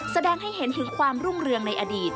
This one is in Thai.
แสดงให้เห็นถึงความรุ่งเรืองในอดีต